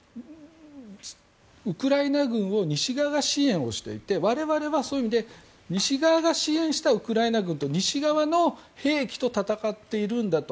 ウクライナ軍を西側が支援していて我々は、そういう意味で西側が支援したウクライナ軍と西側の兵器と戦っているんだと。